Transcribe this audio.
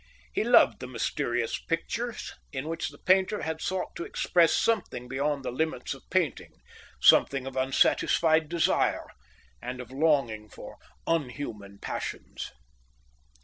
He loved the mysterious pictures in which the painter had sought to express something beyond the limits of painting, something of unsatisfied desire and of longing for unhuman passions.